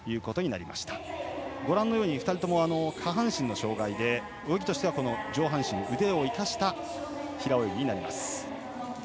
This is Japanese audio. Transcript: ２人とも下半身の障がいで泳ぎとしては上半身、腕を生かした平泳ぎになります。